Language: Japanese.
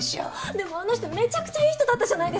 でもあの人めちゃくちゃいい人だったじゃないですか。